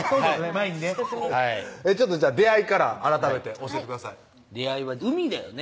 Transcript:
前にねじゃあ出会いから改めて教えてください出会いは海だよね